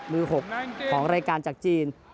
มือ๖ของรายการจากจีน